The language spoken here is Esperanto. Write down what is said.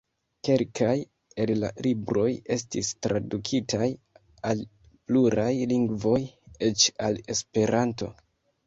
Kelkaj el la libroj estis tradukitaj al pluraj lingvoj, eĉ al Esperanto.